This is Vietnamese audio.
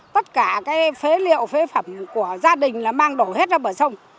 tất cả cái phế liệu phế phẩm của gia đình là mang đổ hết ra bờ sông